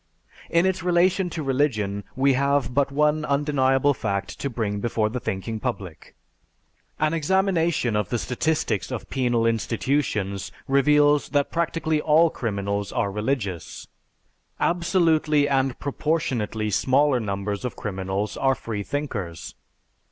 In its relation to religion, we have but one undeniable fact to bring before the thinking public. An examination of the statistics of penal institutions reveals that practically all criminals are religious. _Absolutely and proportionately smaller numbers of criminals are freethinkers.